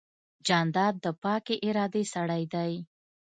جانداد د پاکې ارادې سړی دی.